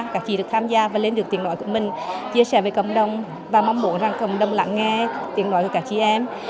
các chị được tham gia và lên được tiền nội của mình chia sẻ với cộng đồng và mong muốn rằng cộng đồng lãng nghe tiền nội của các chị em